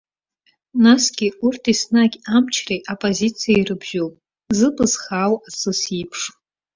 Насгьы, урҭ еснагь амчреи аппозициеи ирыбжьоуп, зыбз хаау асыс еиԥш.